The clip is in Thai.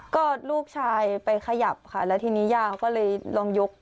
ก็ลูกชายไปขยับค่ะแล้วทีนี้ย่าเขาก็เลยลองยก